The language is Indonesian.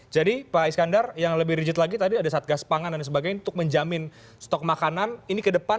jadi pak iskandar yang lebih rigid lagi tadi ada satgas pangan dan sebagainya untuk menjamin stok makanan ini kedepan